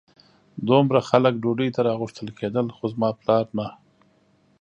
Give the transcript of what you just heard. دومره خلک ډوډۍ ته راغوښتل کېدل خو زما پلار نه.